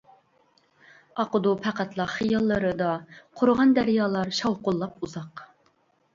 ئاقىدۇ پەقەتلا خىياللىرىدا قۇرۇغان دەريالار شاۋقۇنلاپ ئۇزاق.